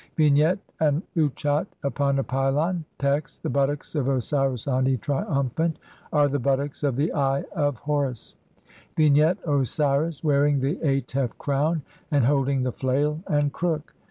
Vignette : An Utchat upon a pylon. Text : (16) The buttocks of Osiris Ani, triumphant, are the buttocks of the Eye of Horus. Vignette : Osiris, wearing the Atef crown and holding the flail and crook.